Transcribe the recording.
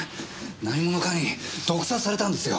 何者かに毒殺されたんですよ。